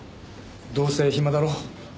どうせ暇だろ？